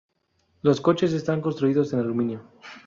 Los coches están construidos en aluminio.